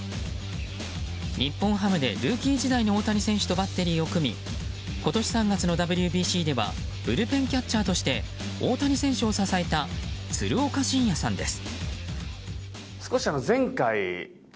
日本ハムで、ルーキー時代の大谷選手とバッテリーを組み今年３月のＷＢＣではブルペンキャッチャーとして大谷選手を支えた鶴岡慎也さんです。